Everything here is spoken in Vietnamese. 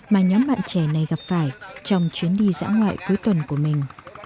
mà nhóm bạn trẻ này gặp phải trong chuyến đi dã ngoại cuối tuần của mình